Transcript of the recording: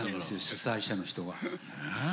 主催者の人が。